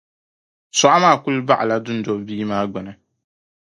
Sɔɣu maa kuli baɣila duuno bia maa gbini.